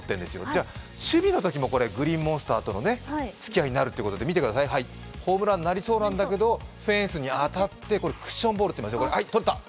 じゃあ、守備のときもグリーンモンスターとのつきあいになるということで、見てください、はい、ホームランになりそうなんだけどフェンスにあたって、クッションボールを捕った。